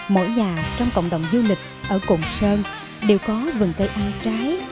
mỗi nhà trong cộng đồng du lịch ở cồn sơn đều có vườn cây a trái